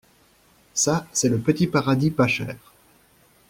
Ca, c’est le petit paradis pas cher.